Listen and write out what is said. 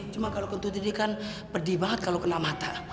cuma kalau kentut ini kan pedih banget kalau kena mata